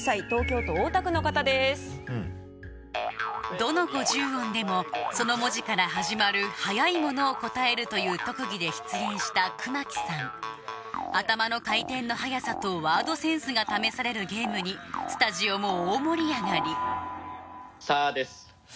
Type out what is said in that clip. どの５０音でもその文字から始まる速いものを答えるという特技で出演した熊木さん頭の回転の速さとワードセンスが試されるゲームにスタジオも大盛り上がり「さ」です。